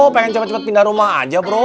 pengen cepat cepat pindah rumah aja bro